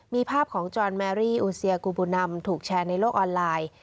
มีภาพของจอนแมรี่อูเซียกูบูนัมถูกแชร์ในโลกออนไลน์